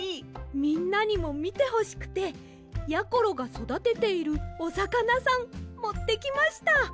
みんなにもみてほしくてやころがそだてているおさかなさんもってきました。